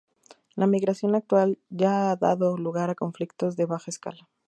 La migración actual ya ha dado lugar a conflictos de baja escala.